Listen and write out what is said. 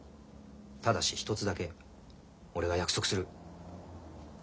ただし１つだけ俺が約束する。